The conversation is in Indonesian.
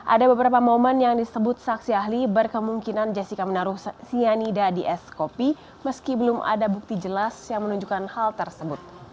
ada beberapa momen yang disebut saksi ahli berkemungkinan jessica menaruh cyanida di es kopi meski belum ada bukti jelas yang menunjukkan hal tersebut